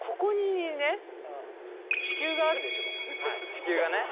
地球がね。